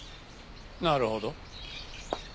なるほど。